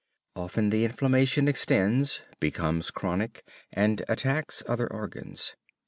Often the inflammation extends, becomes chronic and attacks other organs.